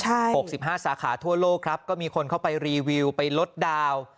หกสิบห้าสาขาทั่วโลกครับก็มีคนเข้าไปรีวิวไปลดดาวน์